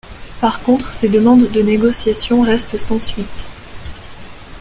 Par contre ses demandes de négociations restent sans suite.